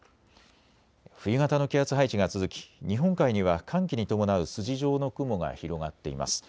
冬型の気圧配置が続き日本海には寒気に伴う筋状の雲が広がっています。